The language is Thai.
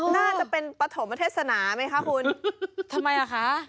น่าจะเป็นปฐมเทศนาไหมคะคุณทำไมอ่ะคะ